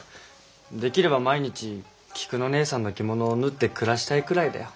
できれば毎日菊野ねえさんの着物を縫って暮らしたいくらいだよ。